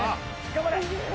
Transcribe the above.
頑張れ！